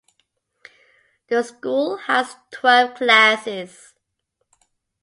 The school has twelve classes.